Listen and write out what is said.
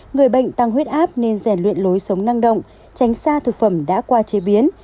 người bệnh tăng huyết áp nên rèn luyện lối sống năng động tránh xa thực phẩm đã qua chế biến